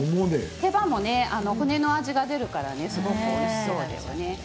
手羽も骨の味が出るからすごくおいしそうですね。